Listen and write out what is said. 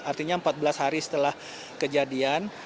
artinya empat belas hari setelah kejadian